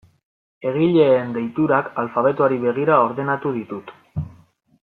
Egileen deiturak alfabetoari begira ordenatu ditut.